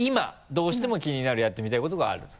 どうしても気になるやってみたいことがあると。